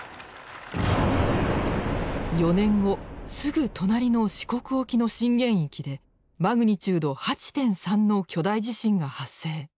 ４年後すぐ隣の四国沖の震源域でマグニチュード８．３の巨大地震が発生。